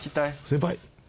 先輩！